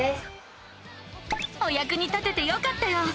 おやくに立ててよかったよ！